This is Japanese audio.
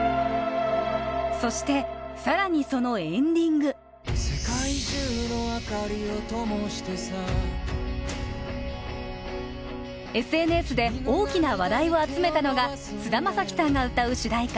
そしてさらにそのエンディングＳＮＳで大きな話題を集めたのが菅田将暉さんが歌う主題歌